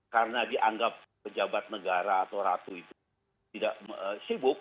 karena dianggap pejabat negara atau ratu itu tidak sibuk